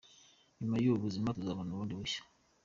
nyuma yubu buzima tuzabona ubundi bushya.